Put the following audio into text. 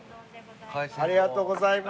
ありがとうございます。